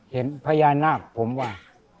เห็นพญานาคผมว่า